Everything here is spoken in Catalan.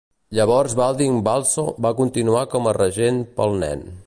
Llavors Baldwin Balso va continuar com a regent pel nen.